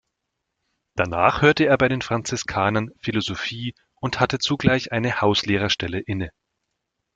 Danach hörte er bei den Franziskanern Philosophie und hatte zugleich eine Hauslehrerstelle inne.